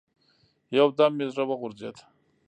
يو دم مې زړه وغورځېد.